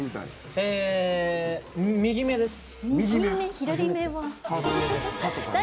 右目です。